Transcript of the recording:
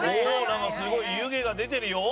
なんかすごい湯気が出てるよ。